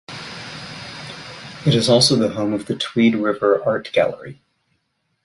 It is also the home of the Tweed River Art Gallery.